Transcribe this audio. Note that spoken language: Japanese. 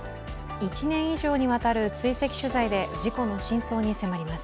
１年以上にわたる追跡取材で事故の真相に迫ります。